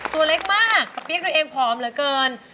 ตัวเล็กมากกระเปี๊กตัวเองผอมเหลือเกิน